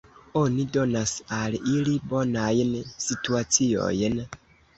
Oni donas al ili bonajn situaciojn?